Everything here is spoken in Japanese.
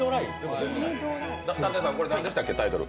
舘様、これ何でしたっけ、タイトル？